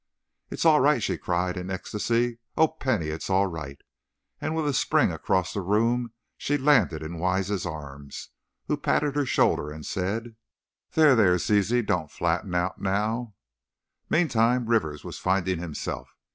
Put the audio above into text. "It's all right!" she cried, in ecstacy, "Oh, Penny, it's all right!" and with a spring across the room, she landed in Wise's arms, who patted her shoulder, and said: "There, there, Ziz, don't flatten out now!" Meantime, Rivers was finding himself.